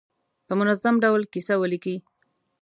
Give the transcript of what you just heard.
په منظم ډول کیسه ولیکي.